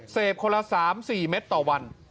คนละ๓๔เม็ดต่อวัน